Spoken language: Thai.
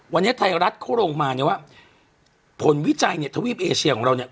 วันนี้ไทยรัฐเขาลงมาเนี่ยว่าผลวิจัยเนี่ยทวีปเอเชียของเราเนี่ย